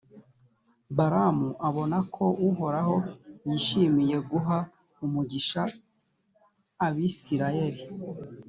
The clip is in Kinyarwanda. balamu abona ko uhoraho yishimiye guha umugisha abayisraheli.